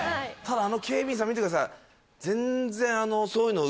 ただあの警備員さん見てください。